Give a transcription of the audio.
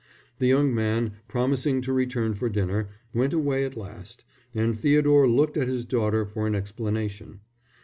The young man, promising to return for dinner, went away at last, and Theodore looked at his daughter for an explanation.